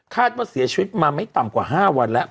ว่าเสียชีวิตมาไม่ต่ำกว่า๕วันแล้ว